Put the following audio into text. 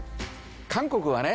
韓国はね